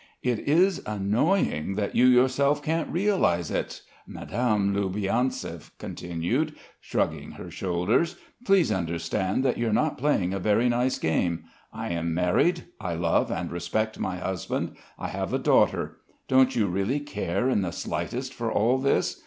"It is annoying that you yourself can't realise it!" Madame Loubianzev continued, shrugging her shoulders. "Please understand that you're not playing a very nice game. I am married, I love and respect my husband. I have a daughter. Don't you really care in the slightest for all this?